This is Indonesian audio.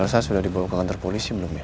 saya sudah dibawa ke kantor polisi belum ya